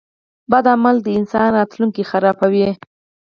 • بد عمل د انسان راتلونکی خرابوي.